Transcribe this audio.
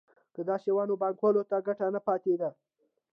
که داسې وای نو بانکوال ته ګټه نه پاتېده